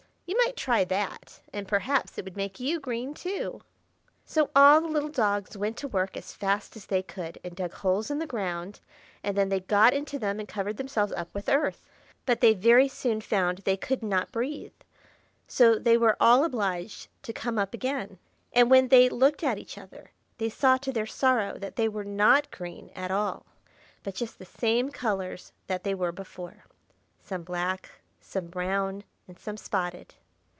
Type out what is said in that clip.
You might try that, and perhaps it would make you green, too." So all the little dogs went to work as fast as they could, and dug holes in the ground; and then they got into them and covered themselves up with earth. But they very soon found they could not breathe; so they were all obliged to come up again. And when they looked at each other, they saw to their sorrow that they were not green at all, but just the same colours that they were before,—some black, some brown, and some spotted.